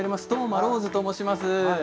當間ローズと申します。